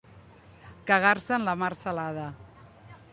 Cagar-se en la mar salada.